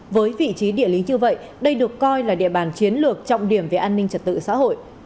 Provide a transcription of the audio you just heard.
với vị trí địa lý như vậy đây được coi là địa bàn chiến lược trọng điểm về an ninh trật tự xã hội